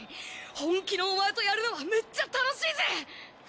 本気のお前とやるのはめっちゃ楽しいぜ！